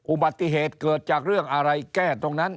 อุบัติเหตุเกิดจากเรื่องอะไรแก้ตรงนั้น